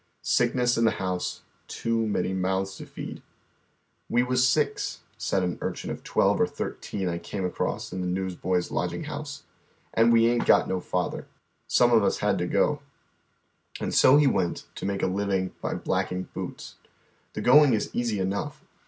Sickness in the house, too many months to feed : ^■"'"iS" THB STREET ARAB. 301 " We wuz six," said an urcliin of twelve or thirteen I came across in the Newsboys' Lodging House, " and we ain't got no father. Some on us had to go." And so he went, to make a living by blacking boots. The going is easy enough.